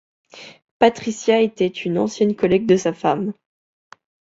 Patricia était une ancienne collègue de sa femme.